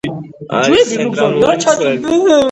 არის ცენტრალური მცველი.